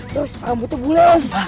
terus rambutnya buleng